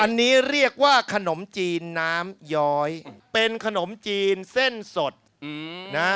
อันนี้เรียกว่าขนมจีนน้ำย้อยเป็นขนมจีนเส้นสดนะ